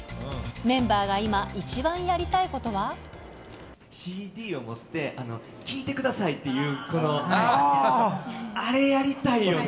メンバーが今、一番やりたいことＣＤを持って、聴いてくださいっていう、この、あれやりたいよね。